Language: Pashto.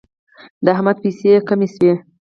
د احمد پیسې کمې شوې.